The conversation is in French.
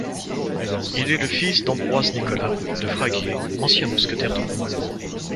Il est le fils d'Ambroise Nicolas de Fraguier, ancien mousquetaire du roi.